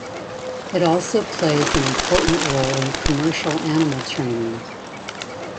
It also plays an important role in commercial animal training.